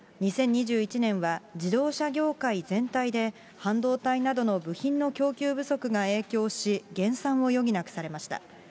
２０２１年は自動車業界全体で半導体などの部品の供給不足が影響し、減産を余儀なくされました。